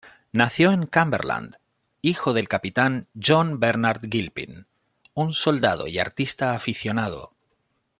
Nació en Cumberland, hijo del capitán John Bernard Gilpin, un soldado y artista aficionado.